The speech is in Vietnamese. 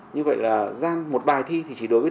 như vậy là một bài thi thì chỉ đối với